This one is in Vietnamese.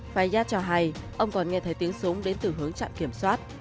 fayad cho hay ông còn nghe thấy tiếng súng đến từ hướng trạm kiểm soát